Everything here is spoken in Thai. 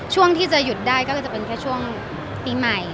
ช่วงที่จะหยุดได้ก็จะเป็นแค่ช่วงปีใหม่